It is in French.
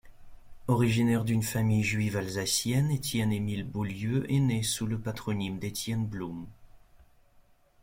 Originaire d'une famille juive alsacienne, Étienne-Émile Baulieu est né sous le patronyme d'Étienne Blum.